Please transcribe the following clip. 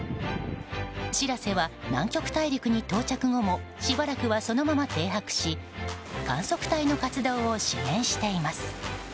「しらせ」は南極大陸に到着後もしばらくはそのまま停泊し観測隊の活動を支援しています。